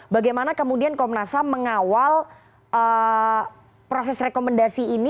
bagaimana kemudian komnas ham mengawal proses rekomendasi ini